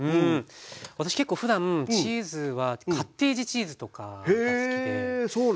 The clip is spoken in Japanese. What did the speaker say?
私結構ふだんチーズはカッテージチーズとかが好きで食べるんですけど。